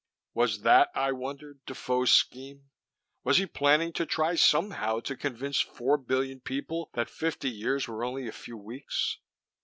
Was that, I wondered, Defoe's scheme? Was he planning to try somehow to convince four billion people that fifty years were only a few weeks?